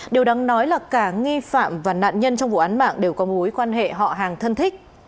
điều đáng nói là cả nghi phạm và nạn nhân trong vụ án mạng đều có mối quan hệ họ hàng thân thích